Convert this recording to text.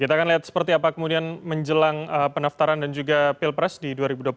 kita akan lihat seperti apa kemudian menjelang pendaftaran dan juga pilpres di dua ribu dua puluh